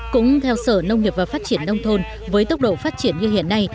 cũng theo sở nông nghiệp và phát triển đông thôn với tốc độ phát triển như hiện nay